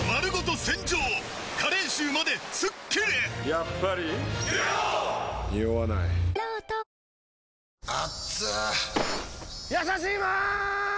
やさしいマーン！！